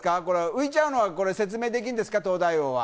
浮いちゃうのは説明できるんですか、東大王。